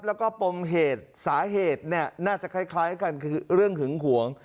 แล้วก็ปมเหตุสาเหตุน่าจะคล้ายกันคือเรื่องหึงหวง